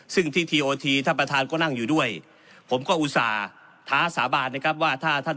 ซึ่งที่ทีโอทีท่านประธานก็นั่งอยู่ด้วยผมก็อุตส่าห์ท้าสาบานนะครับว่าถ้าท่าน